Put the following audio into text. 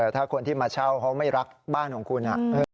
ถ้าคนที่มาเช่าเขาไม่รักบ้านของคุณ